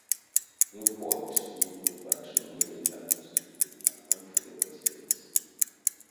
Newport dwindled but remains intact with a handful of residents.